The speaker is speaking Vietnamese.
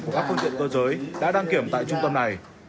của các phương tiện cơ giới đã đăng kiểm tại trung tâm này